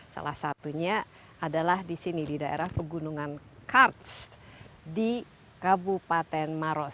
salah satunya adalah di sini di daerah pegunungan karts di kabupaten maros